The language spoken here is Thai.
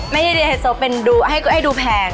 ไม่ได้เรียนไฮโซเป็นดูให้ดูแพง